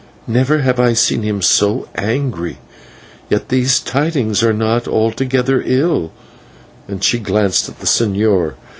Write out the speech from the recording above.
Never have I seen him so angry. Yet these tidings are not altogether ill," and she glanced at the señor.